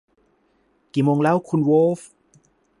กี่โมงแล้ว คุณโวล์ฟ